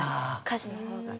家事の方が。